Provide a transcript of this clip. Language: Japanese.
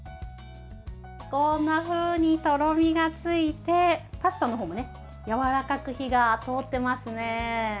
こんなふうにとろみがついてパスタのほうもやわらかく火が通っていますね。